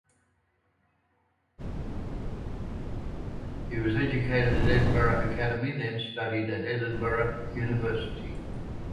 He was educated at Edinburgh Academy then studied at Edinburgh University.